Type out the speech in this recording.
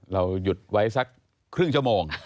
เราหยุดไว้สักครึ่งชั่วโมง